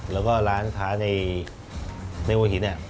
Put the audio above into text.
แล้วก็ร้านค้าในหัวหิน